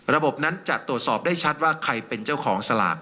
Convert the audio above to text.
ระบบนั้นจะตรวจสอบได้ชัดว่าใครเป็นเจ้าของสลาก